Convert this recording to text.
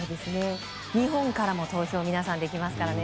日本からも投票皆さん、できますからね。